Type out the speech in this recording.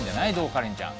カレンちゃん。